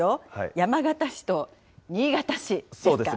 山形市と新潟市ですか。